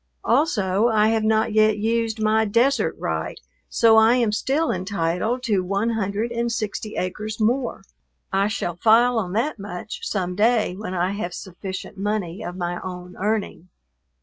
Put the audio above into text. Also I have not yet used my desert right, so I am still entitled to one hundred and sixty acres more. I shall file on that much some day when I have sufficient money of my own earning.